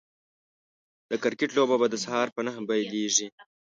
د کرکټ لوبه به د سهار په نهه پيليږي